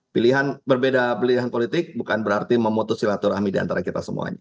pilihan berbeda pilihan politik bukan berarti memutus silaturahmi diantara kita semuanya